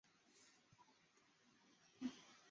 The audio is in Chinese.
高桥镇交通便捷。